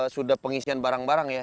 sudah pengisian barang barang ya